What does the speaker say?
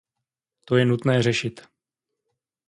To je nutné řešit.